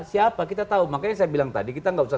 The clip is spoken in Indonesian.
siapa kita tahu makanya saya bilang tadi kita nggak usah